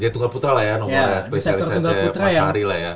tunggal putra lah ya nomor spesialisasi mas hari